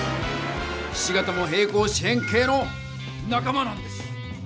ひし形も平行四辺形のなか間なんです。